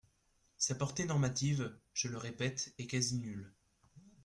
Sa portée normative, je le répète, est quasi nulle.